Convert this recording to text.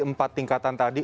empat tingkatan tadi